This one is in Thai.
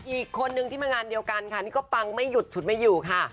อีกคนนึงที่มางานเดียวกันค่ะนี่ก็ปังไม่หยุดฉุดไม่อยู่ค่ะ